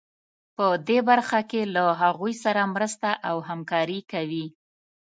په دې برخه کې له هغوی سره مرسته او همکاري کوي.